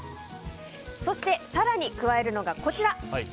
そして更に加えるのがこちら。